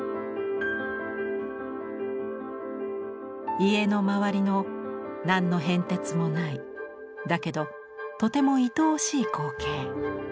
家の周りの何の変哲もないだけどとてもいとおしい光景。